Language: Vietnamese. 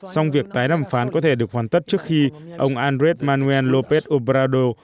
song việc tái đàm phán có thể được hoàn tất trước khi ông andres manuel lópez obrador